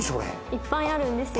いっぱいあるんですよ。